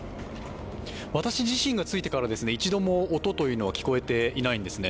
私自身が着いてから、一度も音というのは聞こえていないんですね。